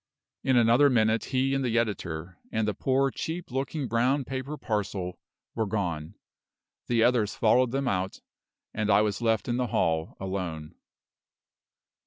In another minute he and the editor, and the poor cheap looking brown paper parcel, were gone. The others followed them out, and I was left in the hall alone.